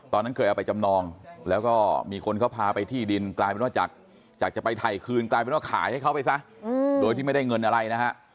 เคยเอาไปจำนองแล้วก็มีคนเขาพาไปที่ดินกลายเป็นว่าจากจะไปถ่ายคืนกลายเป็นว่าขายให้เขาไปซะโดยที่ไม่ได้เงินอะไรนะฮะ